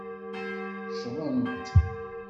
Ccḍent.